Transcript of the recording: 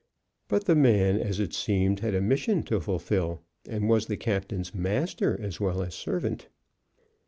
But the man, as it seemed, had a mission to fulfil, and was the captain's master as well as servant.